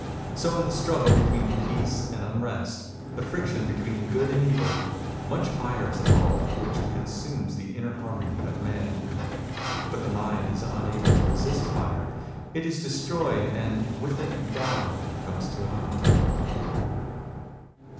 ... So in the struggle between peace and unrest, the friction between good and evil, much fire is evolved which con sumes the inner harmony of man. But the mind is unable to resist fire. It is destroyed, and with it Tao comes to an end.